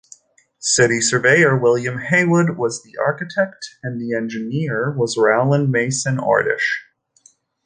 City surveyor William Haywood was the architect and the engineer was Rowland Mason Ordish.